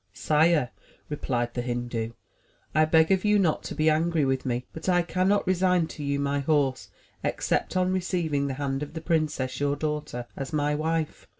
"Sire,'' replied the Hindu, "I beg of you not to be angry with me, but I cannot resign to you my horse, except on receiving the hand of the princess, your daughter, as my wife."